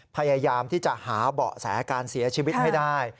พยายามที่จะหาเบาะแสการเสียชีวิตให้ได้